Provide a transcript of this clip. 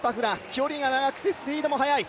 距離も長くてスピードも速い。